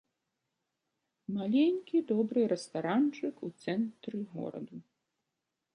Маленькі добры рэстаранчык у цэнтры гораду.